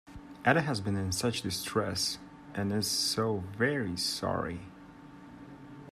Ada has been in such distress, and is so very sorry.